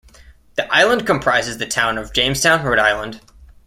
The island comprises the town of Jamestown, Rhode Island.